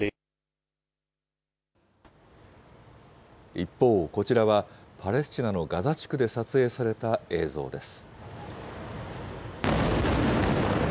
一方、こちらは、パレスチナのガザ地区で撮影された映像です。